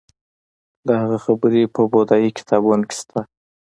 د هغه خبرې په بودايي کتابونو کې شته